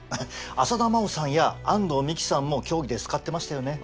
浅田真央さんや安藤美姫さんも競技で使ってましたよね。